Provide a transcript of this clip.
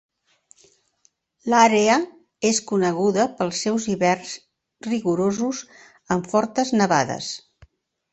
L'àrea és coneguda pels seus hiverns rigorosos amb fortes nevades.